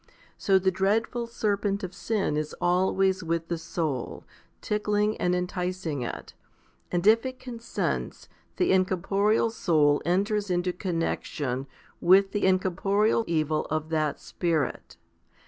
So the dreadful serpent of sin is always with the soul, tickling and enticing it ; and if it consents, the in corporeal soul enters into connexion with the incorporeal evil of that spirit.